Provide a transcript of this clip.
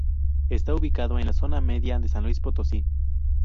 Está ubicado en la zona media de San Luis Potosí.